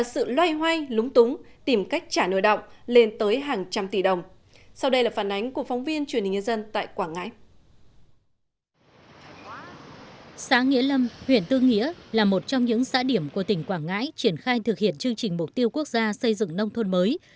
xã nghĩa lâm huyện tư nghĩa là một trong những xã điểm của tỉnh quảng ngãi triển khai thực hiện chương trình mục tiêu quốc gia xây dựng nông thôn mới